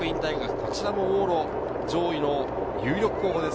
こちらも往路上位の有力候補です。